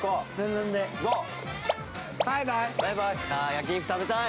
焼き肉食べたい！